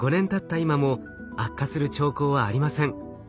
今も悪化する兆候はありません。